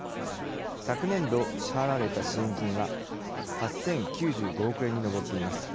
昨年度支払われた支援金は８０９５億円に上っています。